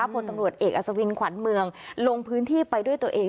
ผลตำรวจเอกอัศวินขวัญเมืองลงพื้นที่ไปด้วยตัวเอง